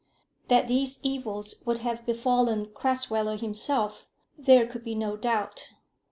That these evils would have befallen Crasweller himself, there could be no doubt.